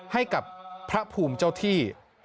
ให้กับพระภูมิเจ้าที่